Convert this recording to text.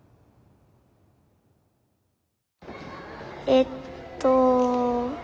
えっと。